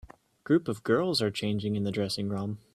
A group of girls are changing in the dressing rom